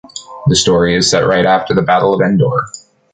The story is set right after the battle of Endor.